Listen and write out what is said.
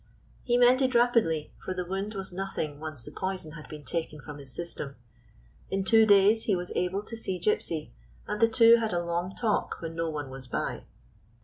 He mended rapidly, for the wound was nothing once the poison had been taken from his system. In two days he was able to see Gypsy, and the two had a long talk when no one was by.